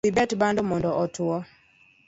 Dhibet bando mondo otwo.